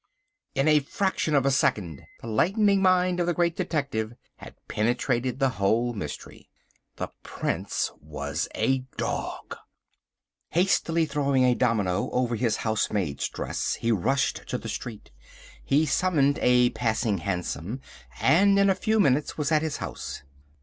In a fraction of a second the lightning mind of the Great Detective had penetrated the whole mystery. THE PRINCE WAS A DOG!!!! Hastily throwing a domino over his housemaid's dress, he rushed to the street. He summoned a passing hansom, and in a few moments was at his house.